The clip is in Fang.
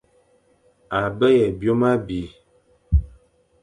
A be ye byôm abî,